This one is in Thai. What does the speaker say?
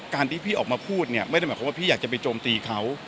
ที่พี่ออกมาพูดเนี่ยไม่ได้หมายความว่าพี่อยากจะไปโจมตีเขา